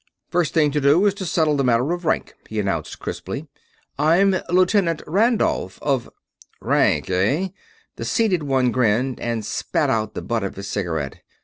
"First thing to do is to settle the matter of rank," he announced, crisply. "I'm First Lieutenant Randolph, of...." "Rank, eh?" The seated one grinned and spat out the butt of his cigarette.